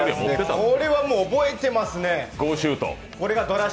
これはもう覚えてますね。